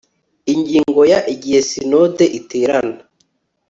ingingo ya igihe sinode iterana